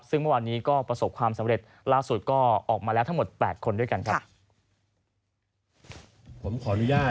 ซึ่งเมื่อวานนี้ก็ประสบความสำเร็จล่าสุดก็ออกมาแล้วทั้งหมด๘คนด้วยกันครับ